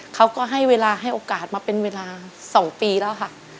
เขาก็ให้เวลาให้โอกาสมาเป็นเวลา๒ปีแล้วค่ะ